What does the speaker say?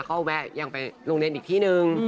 เขาแวะยังไปโรงเรียนอีกที่นึง